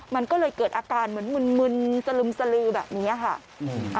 มันก็เลยเกิดอาการเหมือนมึนสลึมสลือแบบนี้ค่ะ